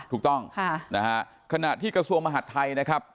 ถูกต้องขณะที่กระทรวงอาหารไทยนะครับ